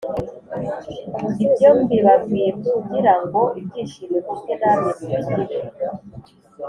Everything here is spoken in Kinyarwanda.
Ibyo mbibabwiye ngira ngo ibyishimo mfite namwe mubigire